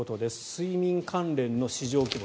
睡眠関連の市場規模